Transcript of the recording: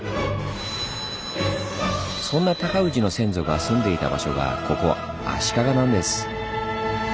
そんな尊氏の先祖が住んでいた場所がここ足利なんです。